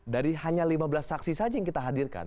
dari hanya lima belas saksi saja yang kita hadirkan